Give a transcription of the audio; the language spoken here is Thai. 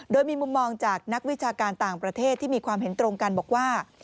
โดยมีมุมมองจากนักวิชาการต่างประเทศที่มีความเห็นตรงกันบอกว่า